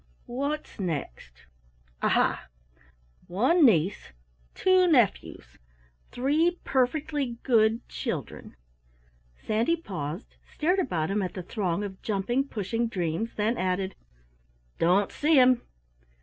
What's next? Aha! One niece, two nephews three perfectly good children." Sandy paused, stared about him at the throng of jumping, pushing dreams then added: "Don't see 'em."